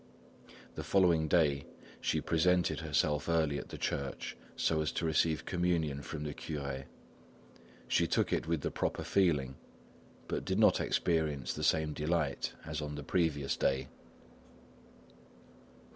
The following day, she presented herself early at the church so as to receive communion from the curé. She took it with the proper feeling, but did not experience the same delight as on the previous day.